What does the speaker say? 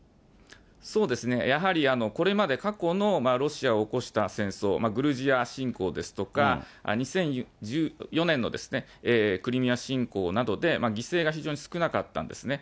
そうですね、やはりこれまで過去のロシアの起こした戦争、グルジア侵攻ですとか、２０１４年のクリミア侵攻などで犠牲が非常に少なかったんですね。